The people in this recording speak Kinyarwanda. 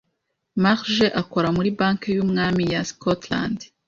Marge akora muri Banki yumwami ya Scotland.